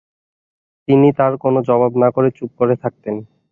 তিনি তার কোনো জবাব না করে চুপ করে থাকতেন।